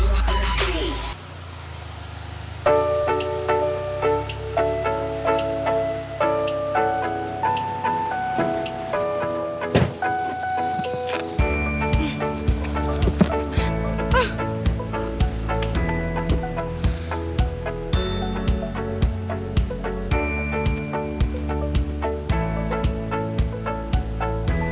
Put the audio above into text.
nganterin saya aja